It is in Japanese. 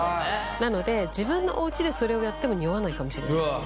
なので自分のおうちでそれをやってもにおわないかもしれないですね。